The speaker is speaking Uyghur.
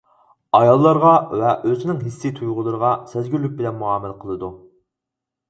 ئاياللارغا ۋە ئۆزىنىڭ ھېسسىي تۇيغۇلىرىغا سەزگۈرلۈك بىلەن مۇئامىلە قىلىدۇ.